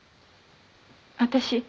「私」